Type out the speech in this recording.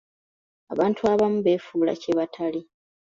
Abantu abamu beefuula kye batali.